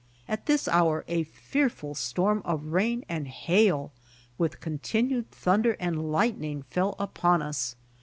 At this hour a fearful storm of rain and hail with continued thunder and lightning fell upon us.